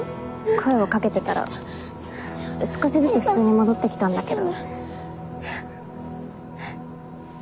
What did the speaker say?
声をかけてたら少しずつ普通に戻ってきたんだけど。